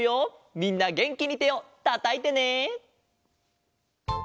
みんなげんきにてをたたいてね！